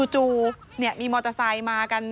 จู่มีมอเตอร์ไซค์มากัน